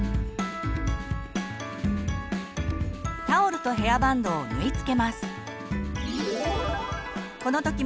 タオルとヘアバンドを縫いつけます。